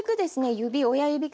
指親指か